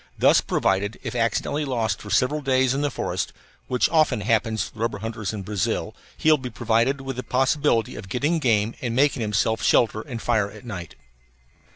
Thus provided, if accidentally lost for several days in the forest (which often happens to the rubber hunters in Brazil), he will be provided with the possibility of getting game and making himself shelter and fire at night.